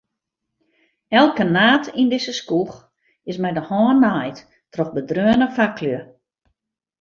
Elke naad yn dizze skoech is mei de hân naaid troch bedreaune faklju.